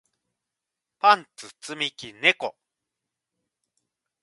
パンツ積み木猫